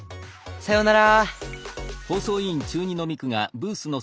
さようなら。